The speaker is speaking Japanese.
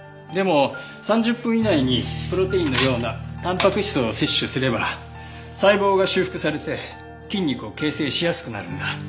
でも３０分以内にプロテインのようなたんぱく質を摂取すれば細胞が修復されて筋肉を形成しやすくなるんだ。